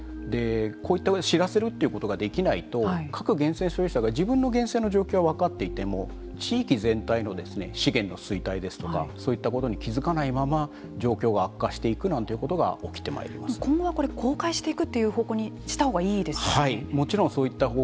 こういった知らせるということができないと各源泉所有者が自分の源泉の状況は分かっていても地域全体の資源の衰退ですとかそういったことに気付かないまま状況が悪化していくなんてことが今後は公開していくというはい。